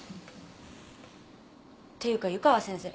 っていうか湯川先生